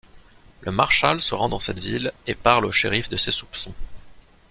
Le marshal se rend dans cette ville et parle au shérif de ses soupçons.